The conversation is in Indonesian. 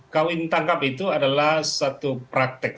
kawin tangkap itu adalah satu praktek